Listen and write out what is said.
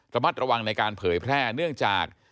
ระมัดระวังในการเผยแพร่เนื่องจาก